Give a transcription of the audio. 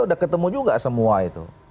udah ketemu juga semua itu